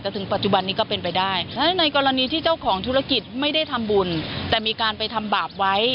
ที่เจ้าของธุรกิจไม่ได้ทำบุญแต่มีการไปทำบาปไว้